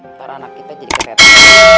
ntar anak kita jadi kesehatan